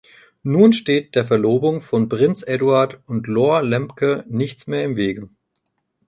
Nun steht der Verlobung von Prinz Eduard und Lore Lemke nichts mehr im Wege.